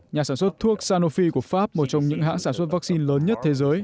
nhà sản xuất thuốc sanofi của pháp một trong những hãng sản xuất vaccine lớn nhất thế giới